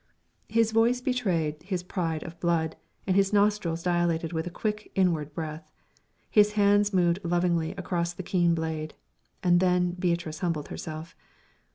His voice betrayed his pride of blood, and his nostrils dilated with a quick, inward breath. His hands moved lovingly along the keen blade and then Beatrice humbled herself.